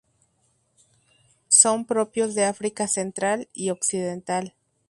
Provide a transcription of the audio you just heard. Son propios de África central y occidental.